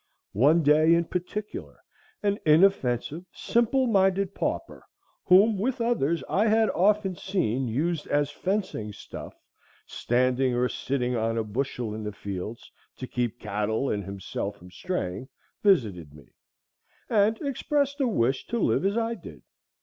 One day, in particular, an inoffensive, simple minded pauper, whom with others I had often seen used as fencing stuff, standing or sitting on a bushel in the fields to keep cattle and himself from straying, visited me, and expressed a wish to live as I did.